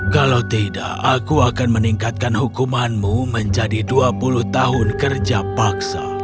kalau tidak aku akan meningkatkan hukumanmu menjadi dua puluh tahun kerja paksa